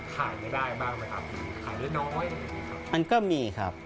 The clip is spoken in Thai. ขายเล็กมันก็มีครับ